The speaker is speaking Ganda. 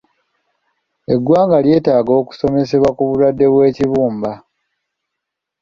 Eggwanga lyeetaaga okusomesebwa ku bulwadde bw'ekibumba.